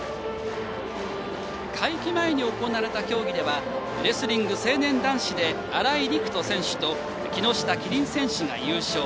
会期前に行われた競技ではレスリング成年男子で新井陸人選手と木下貴輪選手が優勝。